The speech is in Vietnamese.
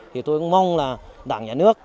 thì tôi cũng mong là đảng nhà nước